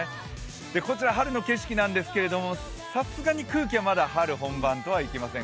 こちら、春の景色なんですけど、さすがに空気はまだ春本番とはいきません。